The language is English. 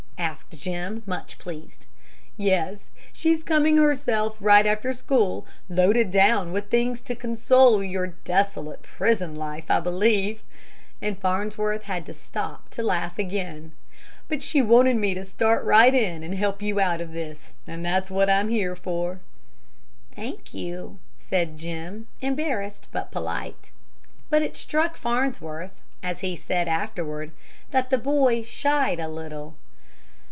asked Jim, much pleased. "Yes. She's coming herself right after school, loaded down with things to console your desolate prison life, I believe," and Farnsworth had to stop to laugh again. "But she wanted me to start right in and help you out of this, and that's what I'm here for." "Thank you," said Jim, embarrassed, but polite. But it struck Farnsworth, as he said afterward, that the boy "shied" a little.